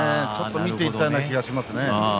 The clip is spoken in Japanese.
見ていったような感じがしました。